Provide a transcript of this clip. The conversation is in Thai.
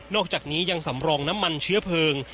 อกจากนี้ยังสำรองน้ำมันเชื้อเพลิง